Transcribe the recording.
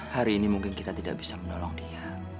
hari ini mungkin kita tidak bisa menolong dia